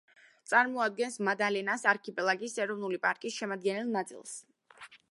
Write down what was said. წარმოადგენს მადალენას არქიპელაგის ეროვნული პარკის შემადგენელ ნაწილს.